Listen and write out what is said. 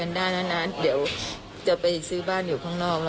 โทษมาก